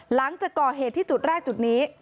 หลังจากก่อเหตุที่จุดแรกจุดนี้